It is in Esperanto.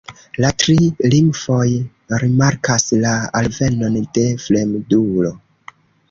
La tri nimfoj rimarkas la alvenon de fremdulo.